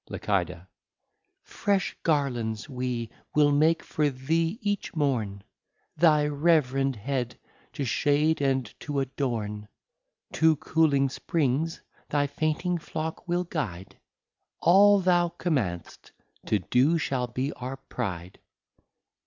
Licida. Fresh Garlands we will make for thee each morne, Thy reverend Head to shade, and to adorne; To cooling Springs thy fainting Flock we'll guide, All thou command'st, to do shall be our Pride.